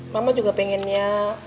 mama juga pengennya